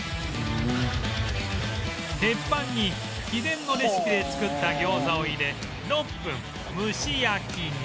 鉄板に秘伝のレシピで作った餃子を入れ６分蒸し焼きに